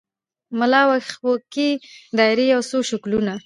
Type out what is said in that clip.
ملا وکښې دایرې یو څو شکلونه